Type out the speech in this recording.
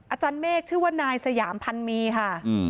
อาจารย์เมฆชื่อว่านายสยามพันมีค่ะ